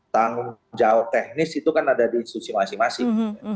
tanggung jawab teknis itu kan ada di institusi masing masing